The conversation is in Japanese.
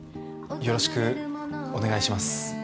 よろしくお願いします。